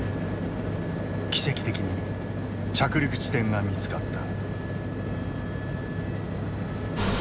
奇跡的に着陸地点が見つかった。